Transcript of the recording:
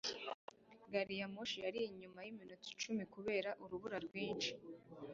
gari ya moshi yari inyuma yiminota icumi kubera urubura rwinshi